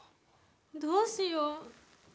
どうしよう。